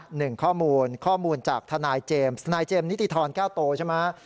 หนึ่งข้อมูลข้อมูลจากทนายเจมส์นายเจมสนิติธรแก้วโตใช่ไหม